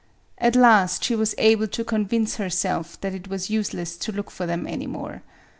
At last she was able to convince herself that it was useless to look for them any more.